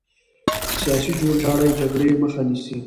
سیاسي جوړجاړی جګړې مخه نیسي